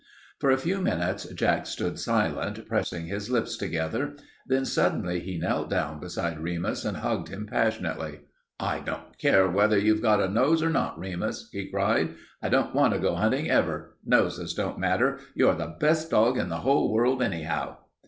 For a few minutes Jack stood silent, pressing his lips together. Then suddenly he knelt down beside Remus and hugged him passionately. "I don't care whether you've got a nose or not, Remus," he cried. "I don't want to go hunting, ever. Noses don't matter. You're the best dog in the whole world, anyhow."